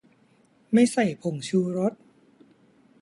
ไม่ใส่ผงชูรส